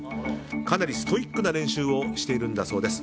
かなりストイックな練習をしているんだそうです。